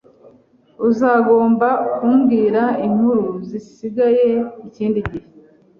Uzagomba kumbwira inkuru zisigaye ikindi gihe.